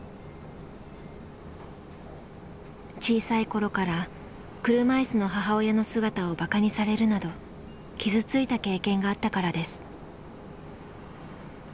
小さい頃から車いすの母親の姿をバカにされるなど傷ついた経験があったからです。